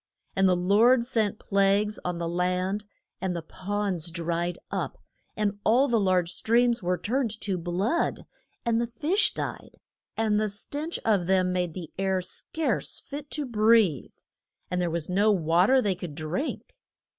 And the Lord sent plagues on the land, and the ponds dried up, and all the large streams were turned to blood, and the fish died, and the stench of them made the air scarce fit to breathe. And there was no wa ter they could drink.